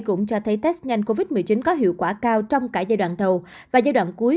cũng cho thấy test nhanh covid một mươi chín có hiệu quả cao trong cả giai đoạn thầu và giai đoạn cuối